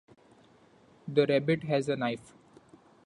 The rabbit has a knife.